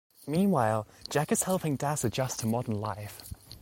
Meanwhile, Jack is helping Das adjust to modern life.